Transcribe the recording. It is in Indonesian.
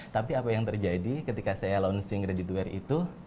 tapi apa yang terjadi ketika saya launching redditor itu